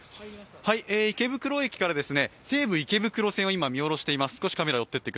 池袋駅から西武池袋線を今、見下ろしています